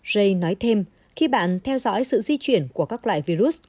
j nói thêm khi bạn theo dõi sự di chuyển của các loại virus